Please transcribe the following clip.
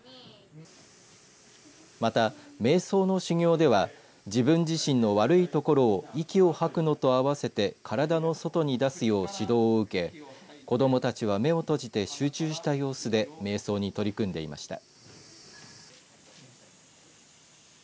また、めい想の修行では自分自身の悪いところを息を吐くのと合わせて体の外に出すよう指導を受け子どもたちは目を閉じて集中した様子でめい想に取り組んでいました。